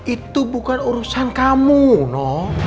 itu bukan urusan kamu no